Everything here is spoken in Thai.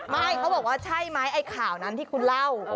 เขาบอกว่าใช่ไหมไอ้ข่าวนั้นที่คุณเล่า